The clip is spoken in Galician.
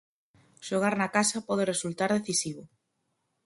Xogar na casa pode resultar decisivo.